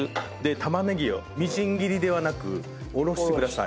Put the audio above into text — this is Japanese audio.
玉ねぎをみじん切りではなくおろしてください。